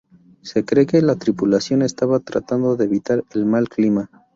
Se cree que la tripulación estaba tratando de evitar el mal clima.